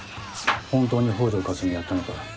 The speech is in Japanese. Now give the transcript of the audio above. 本当に北條かすみをやったのか？